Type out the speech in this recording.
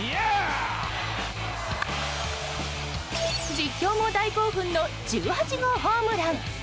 実況も大興奮の１８号ホームラン！